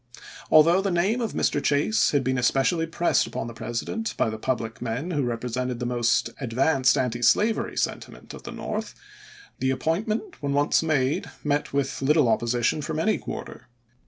Although the name of Mr. Chase had been especially pressed upon the President by the public men who repre sented the most advanced antislavery sentiment of the North, the appointment when once made met with little opposition from any quarter.